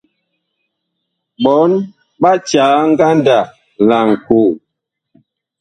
Ɓɔɔŋ ɓa caa ngandag laŋkoo.